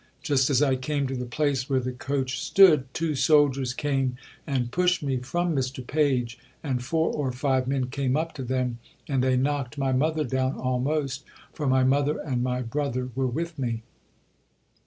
Just as I came to the place where the coach stood, two soldiers came and pushed me from Mr Page, and four or five men came up to them, and they knocked my mother down almost, for my mother and my brother were with me.